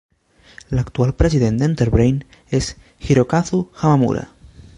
L'actual president d'Enterbrain és Hirokazu Hamamura.